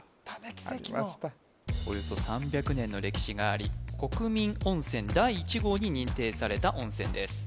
奇跡のおよそ３００年の歴史があり国民温泉第１号に認定された温泉です